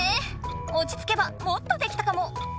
おちつけばもっとできたかも。